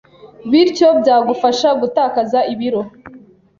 bityo byagufasha gutakaza ibiro